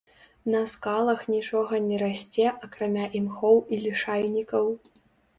На скалах нічога не расце акрамя імхоў і лішайнікаў.